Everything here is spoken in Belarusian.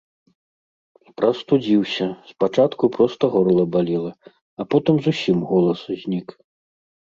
Прастудзіўся, спачатку проста горла балела, а потым зусім голас знік.